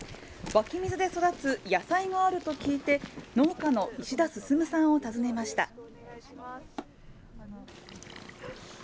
湧き水で育つ野菜があると聞いて、農家の石田進さんを訪ねました。